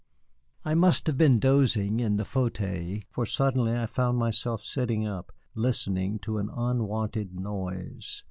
I must have been dozing in the fauteuil, for suddenly I found myself sitting up, listening to an unwonted noise.